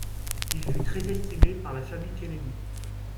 Il fut très estimé par la famille Kennedy.